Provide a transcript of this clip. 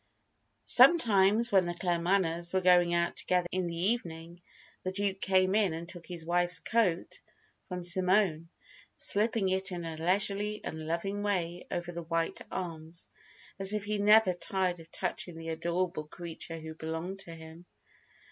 Sometimes, when the Claremanaghs were going out together in the evening, the Duke came in and took his wife's coat from Simone, slipping it in a leisurely and loving way over the white arms, as if he never tired of touching the adorable creature who belonged to him.